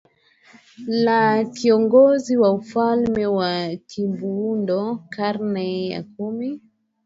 la kiongozi wa ufalme wa Kwimbundo karne ya kumi